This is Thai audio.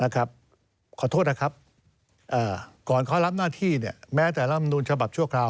ขอโทษนะครับ